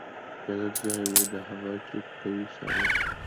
جنت ځای وي د هغو چي کوي صبر